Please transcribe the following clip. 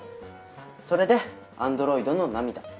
それで「アンドロイドの涙」。